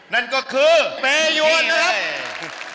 นั่นก็คือเปรยวนนะครับ